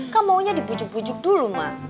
kamu maunya dibujuk bujuk dulu ma